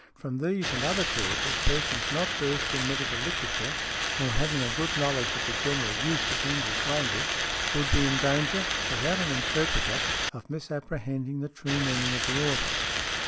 From these and other causes, persons not versed in medical literature, though having a good knowledge of the general use of the English language, would be in danger, without an interpreter, of misapprehending the true meaning of the author.